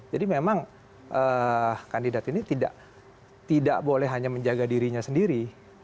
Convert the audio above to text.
jadi memang kandidat ini tidak boleh hanya menjaga dirinya sendiri